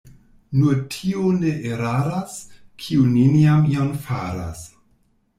Nur tiu ne eraras, kiu neniam ion faras.